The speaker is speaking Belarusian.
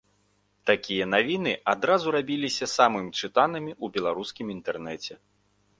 Такія навіны адразу рабіліся самымі чытанымі ў беларускім інтэрнэце.